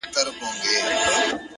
د زده کړې تنده پرمختګ چټکوي!